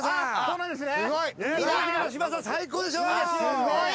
すごい。